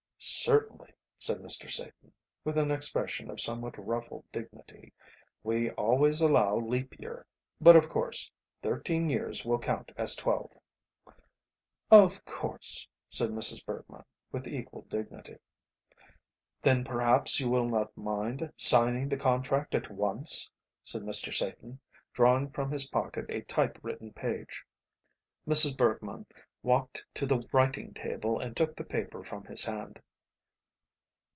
"Certainly," said Mr. Satan, with an expression of somewhat ruffled dignity, "we always allow leap year, but, of course, thirteen years will count as twelve." "Of course," said Mrs. Bergmann with equal dignity. "Then perhaps you will not mind signing the contract at once," said Mr. Satan, drawing from his pocket a type written page. Mrs. Bergmann walked to the writing table and took the paper from his hand.